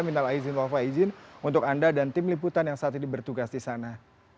minta izin walfa izin untuk anda dan tim liputan yang saat ini bertugas di sana